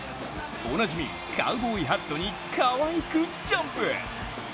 おなじみカウボーイハットにかわいくジャンプ。